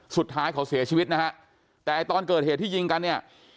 สุดท้ายเขาเสียชีวิตนะฮะแต่ตอนเกิดเหตุที่ยิงกันเนี่ย